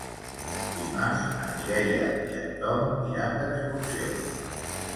Dimarts na Mireia i en Tom iran d'excursió.